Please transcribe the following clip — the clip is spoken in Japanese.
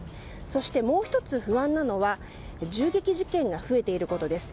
そして、もう１つ不安なのは銃撃事件が増えていることです。